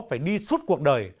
phải đi suốt cuộc đời